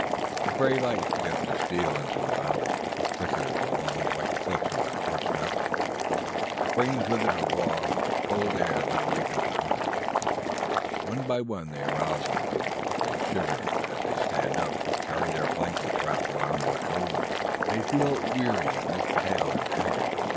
A grey light begins to steal into the valley. It flickers along the white cliffs of the quartz mountain. It brings with it a raw, cold air that awakens the hunters. One by one they arouse themselves. They shiver as they stand up, and carry their blankets wrapped about their shoulders. They feel weary, and look pale and haggard.